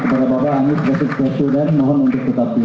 kepada bapak amin terima kasih spesial dan mohon untuk tetap di